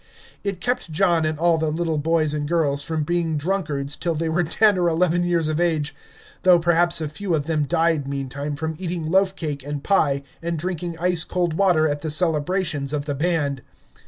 It kept John and all the little boys and girls from being drunkards till they were ten or eleven years of age; though perhaps a few of them died meantime from eating loaf cake and pie and drinking ice cold water at the celebrations of the Band.